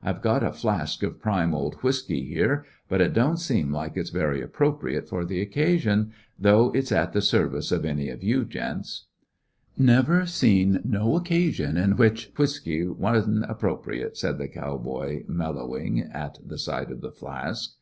"I 've got a'flask of prime old whiskey here, but it don't seem like it 's very appro priate for the occasion, though it 's at the service of any of you gents." "Never seen no occasion in which whiskey 178 llJUissionarY in tge Great West was n't appropriate," said the cow boy, mel Always w lowing at the sight of the flask.